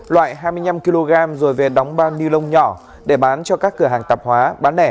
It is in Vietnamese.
loại hai mươi năm kg rồi về đóng bao ni lông nhỏ để bán cho các cửa hàng tạp hóa bán lẻ